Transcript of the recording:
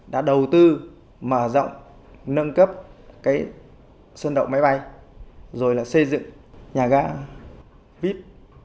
đã đầu tư mở rộng nâng cấp sơn đậu máy bay rồi là xây dựng nhà gà vip